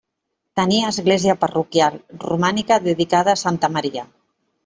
Tenia església parroquial, romànica, dedicada a santa Maria.